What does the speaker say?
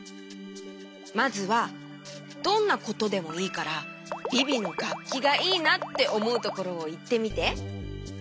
まずはどんなことでもいいからビビのがっきがいいなっておもうところをいってみて。